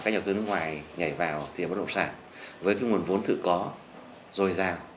để các nhà đầu tư nước ngoài nhảy vào tiền bất động sản với nguồn vốn thự có rồi ra